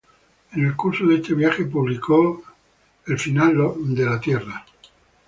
En el curso de este viaje publicó "The Ends of the Earth".